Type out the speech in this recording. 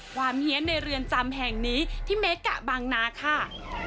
เฮียนในเรือนจำแห่งนี้ที่เมกะบางนาค่ะ